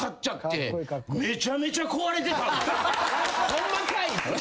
ホンマかい！